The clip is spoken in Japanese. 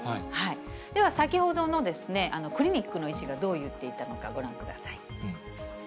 では先ほどのクリニックの医師がどう言っていたのか、ご覧ください。